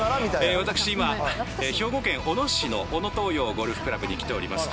私、今、兵庫県小野市の小野東洋ゴルフ倶楽部に来ております。